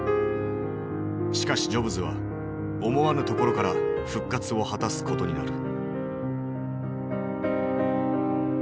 しかしジョブズは思わぬところから復活を果たすことになる。